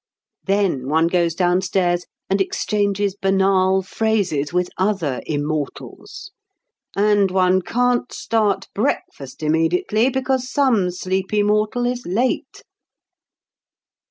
Then one goes downstairs and exchanges banal phrases with other immortals. And one can't start breakfast immediately, because some sleepy mortal is late.